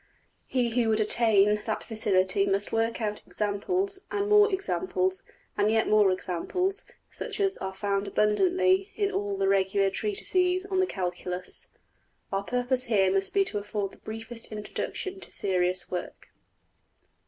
He who would attain that facility must work out examples, and more examples, and yet more examples, such as are found abundantly in all the regular treatises on the Calculus. Our purpose here must be to afford the briefest introduction to serious work.